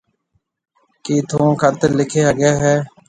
ڪِي ٿُون خط لکي هگھيَََ هيَ؟